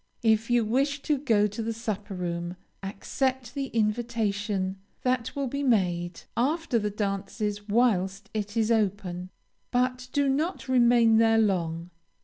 If you wish to go to the supper room, accept the invitation that will be made, after the dances whilst it is open, but do not remain there long.